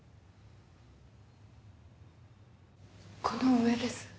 この上です。